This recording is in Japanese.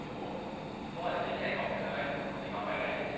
そこまでできない科目じゃないと思うので頑張りたいです。